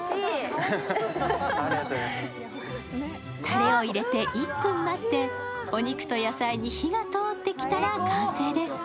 たれを入れて１分待ってお肉と野菜に火が通ってきたら完成です。